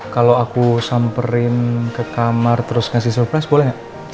kalau aku samperin ke kamar terus ngasih surprise boleh nggak